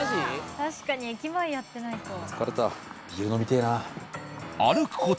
確かに駅前やってないと。